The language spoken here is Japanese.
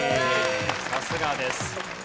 さすがです。